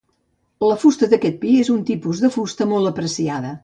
La fusta d'aquest pi, és un tipus de fusta molt apreciada.